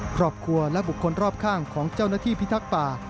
ครอบครัวและบุคคลรอบข้างของเจ้าหน้าที่พิทักษ์ป่า